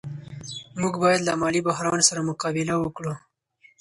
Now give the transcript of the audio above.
موږ باید له مالي بحران سره مقابله وکړو.